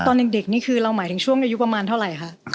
ตอนเด็กนี่คือเราหมายถึงช่วงอายุประมาณเท่าไหร่คะ